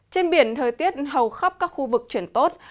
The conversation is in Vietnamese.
trên biển thời tiết hầu khắp các khu vực chuyển tốt